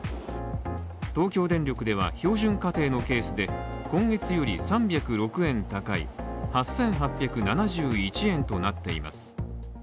東京電力では、標準家庭のケースで今月より３０６円高い８８７１円となっています。